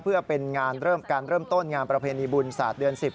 เพื่อเป็นงานเริ่มการเริ่มต้นงานประเพณีบุญศาสตร์เดือน๑๐